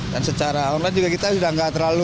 dan secara online juga kita sudah nggak terlalu